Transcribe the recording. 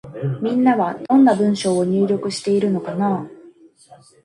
みんなは、どんな文章を入力しているのかなぁ。